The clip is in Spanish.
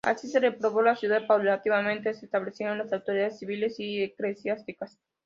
Así se repobló la ciudad y paulatinamente, se establecieron las autoridades civiles y eclesiásticas.